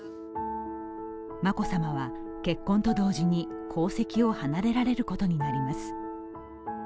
眞子さまは結婚と同時に皇籍を離れられることになります。